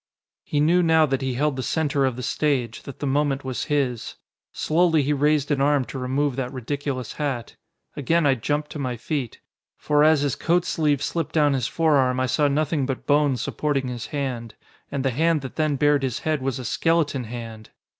He knew now that he held the center of the stage, that the moment was his. Slowly he raised an arm to remove that ridiculous hat. Again I jumped to my feet. For as his coat sleeve slipped down his forearm I saw nothing but bone supporting his hand. And the hand that then bared his head was a skeleton hand!